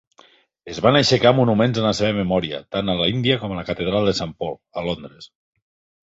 Es van aixecar monuments en la seva memòria tant a l'Índia com a la Catedral de St. Paul, a Londres.